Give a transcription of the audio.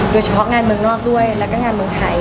โดยเฉพาะงานเมืองนอกด้วยแล้วก็งานเมืองไทย